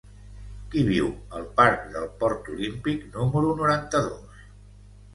Qui viu al parc del Port Olímpic número noranta-dos?